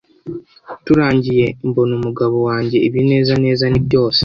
turangiye mbona umugabo wanjye ibinezaneza ni byose